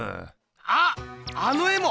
あっあの絵も！